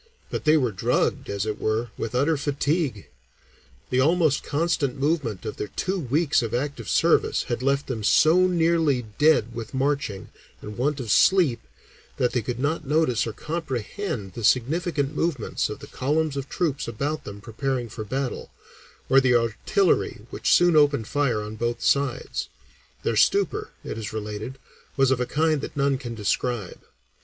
But they were drugged, as it were, with utter fatigue; the almost constant movement of their two weeks of active service had left them "so nearly dead with marching and want of sleep" that they could not notice or comprehend the significant movements of the columns of troops about them preparing for battle, or the artillery which soon opened fire on both sides; their stupor, it is related, was of a kind that none can describe.